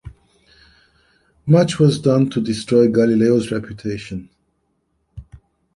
Much was done to destroy Galileo's reputation.